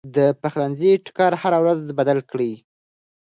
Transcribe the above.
د پخلنځي ټوکر هره ورځ بدل کړئ.